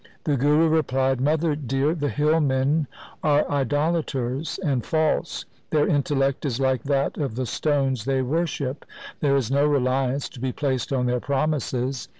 The Guru replied, ' Mother dear, the hillmen are idolaters and false. Their intellect is like that of the stones they worship. There is no reliance to be placed on their promises.